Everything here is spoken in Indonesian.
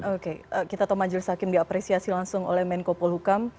oke kita tahu majelis hakim diapresiasi langsung oleh menko polhukam